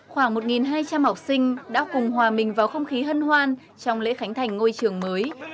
khoảng một hai trăm linh học sinh đã cùng hòa mình vào không khí hân hoan trong lễ khánh thành ngôi trường mới